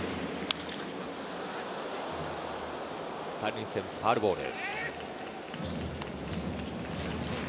３塁線ファウルボール。